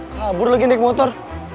kabur lagi naik motor